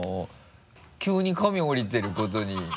急に髪下りてることに。